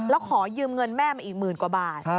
แล้วขอยืมเงินแม่มาอีกหมื่นกว่าบาท